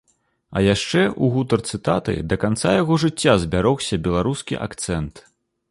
А яшчэ ў гутарцы таты да канца яго жыцця збярогся беларускі акцэнт.